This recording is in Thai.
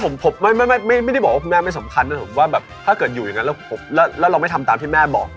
ผมไม่ได้บอกว่าคุณแม่ไม่สำคัญนะผมว่าแบบถ้าเกิดอยู่อย่างนั้นแล้วเราไม่ทำตามที่แม่บอก